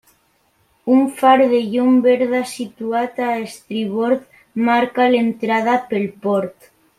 Un far de llum verda situat a estribord marca l’entrada del port.